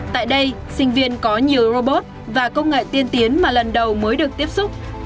tại đây sinh viên có nhiều robot và công nghệ tiên tiến mà lần đầu mới được tiếp xúc